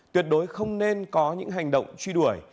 tuyệt đối không nên có những hành động truy đuổi